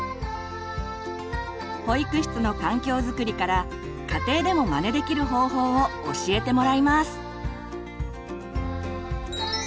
保育室の環境づくりから家庭でもまねできる方法を教えてもらいます。